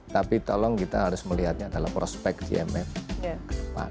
tapi tolong kita harus melihatnya dalam prospek gmf ke depan